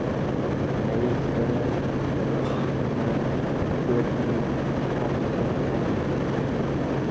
They select the quality articles for it.